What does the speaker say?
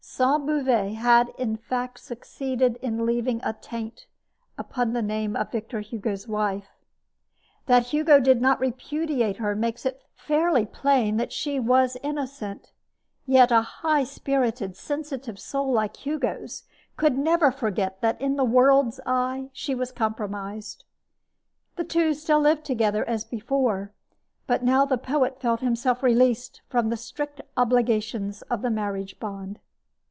Sainte Beuve had in fact succeeded in leaving a taint upon the name of Victor Hugo's wife. That Hugo did not repudiate her makes it fairly plain that she was innocent; yet a high spirited, sensitive soul like Hugo's could never forget that in the world's eye she was compromised. The two still lived together as before; but now the poet felt himself released from the strict obligations of the marriage bond.